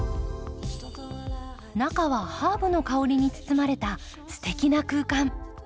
中はハーブの香りに包まれたすてきな空間。